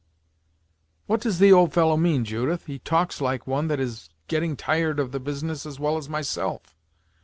"What does the old fellow mean, Judith? He talks like one that is getting tired of the business as well as myself.